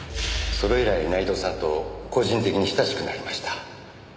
それ以来内藤さんと個人的に親しくなりました。